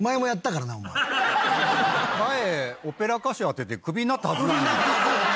前オペラ歌手当ててクビになったはずなのに。